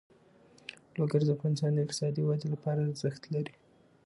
لوگر د افغانستان د اقتصادي ودې لپاره ارزښت لري.